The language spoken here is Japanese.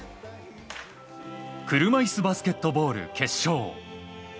車いすバスケットボール決勝。